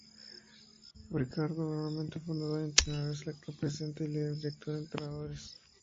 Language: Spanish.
Ricardo Barrionuevo, fundador y entrenador, es el actual presidente líder y director de entrenadores.